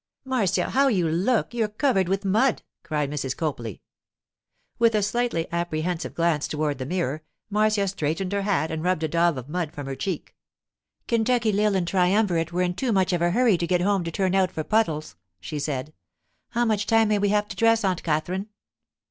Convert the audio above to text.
'Marcia, how you look! You're covered with mud!' cried Mrs. Copley. With a slightly apprehensive glance toward the mirror, Marcia straightened her hat and rubbed a daub of mud from her cheek. 'Kentucky Lil and Triumvirate were in too much of a hurry to get home to turn out for puddles,' she said. 'How much time may we have to dress, Aunt Katherine?